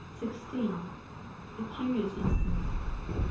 A curious instance.